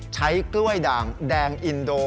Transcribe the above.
ใช้กล้วยด่างแดงอินโด